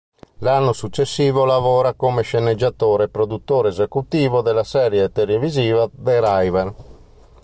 L'anno successivo lavora come sceneggiatore e produttore esecutivo della serie televisiva "The River".